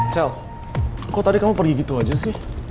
chell kok tadi kamu pergi gitu aja sih